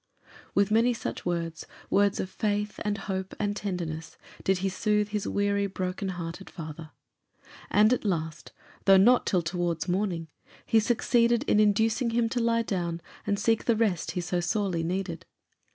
With many such words words of faith, and hope, and tenderness did he soothe his weary, broken hearted father. And at last, though not till towards morning, he succeeded in inducing him to lie down and seek the rest he so sorely needed.